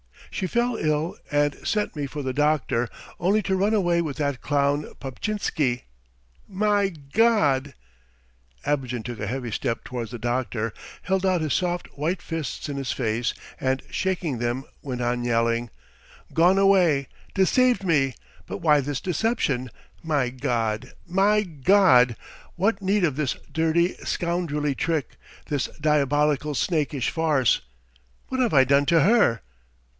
She fell ill and sent me for the doctor only to run away with that clown Paptchinsky! My God!" Abogin took a heavy step towards the doctor, held out his soft white fists in his face, and shaking them went on yelling: "Gone away! Deceived me! But why this deception? My God! My God! What need of this dirty, scoundrelly trick, this diabolical, snakish farce? What have I done to her?